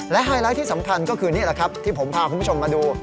และไฮไลท์ที่สำคัญก็คือนี่แหละครับที่ผมพาคุณผู้ชมมาดู